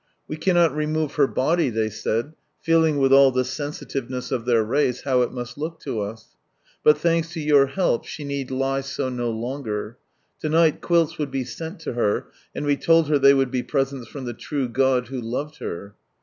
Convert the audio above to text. " We cannot remove her body," they said, feeling, with all the sensitiveness of their race, how it must look to us. Bat thanks to your help, she need He so no longer. To night quilts would be sent to her, and we told her they would be presents from the true God, who loved her.